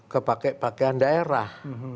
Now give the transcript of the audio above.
ke pake pakean daerah